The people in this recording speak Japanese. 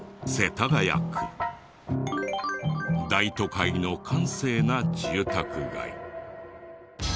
大都会の閑静な住宅街。